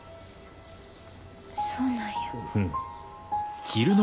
そうなんや。